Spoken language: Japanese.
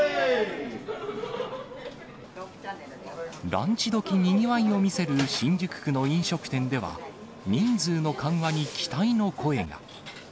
ランチ時、にぎわいを見せる新宿区の飲食店では、人数の緩和に期待の声が。